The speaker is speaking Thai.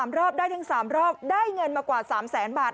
ขอ๓รอบได้ถึง๓รอบได้เงินมากว่า๓๐๐๐๐๐บาท